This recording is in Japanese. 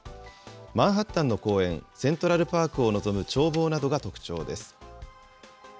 マンハッタンの公園、セントラルパークを望む眺望などが特徴です。